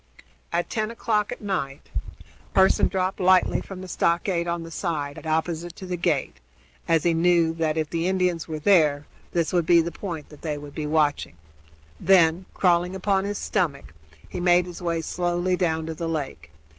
At ten o'clock at night Pearson dropped lightly from the stockade on the side opposite to the gate, as he knew that, if the Indians were there, this would be the point that they would be watching; then, crawling upon his stomach, he made his way slowly down to the lake.